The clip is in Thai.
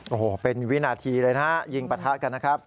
โอ้โหเป็นวินาทีเลยนะฮะยิงปะทะกันนะครับ